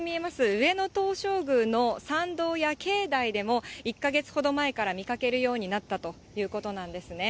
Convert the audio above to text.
上野東照宮の参道や境内でも、１か月ほど前から見かけるようになったということなんですね。